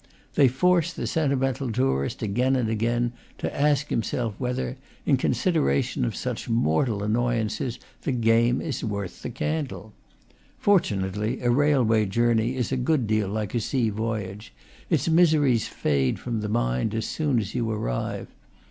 They force the sentimental tourist again and again to ask himself whether, in consideration of such mortal an noyances, the game is worth the candle. Fortunately, a railway journey is a good deal like a sea voyage; its miseries fade from the mind as soon as you arrive.